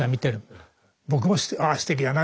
僕もああすてきだな